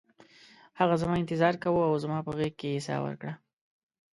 هغه زما انتظار کاوه او زما په غیږ کې یې ساه ورکړه